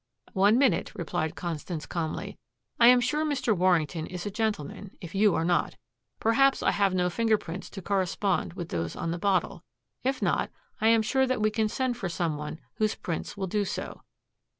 "One minute," replied Constance calmly. "I am sure Mr. Warrington is a gentleman, if you are not. Perhaps I have no finger prints to correspond with those on the bottle. If not, I am sure that we can send for some one whose prints will do so."